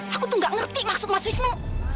aku tuh gak ngerti maksud mas wisnu